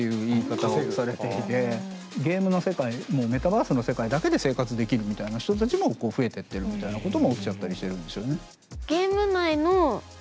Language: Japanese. ゲームの世界メタバースの世界だけで生活できるみたいな人たちも増えてってるみたいなことも起きちゃったりしてるんですよね。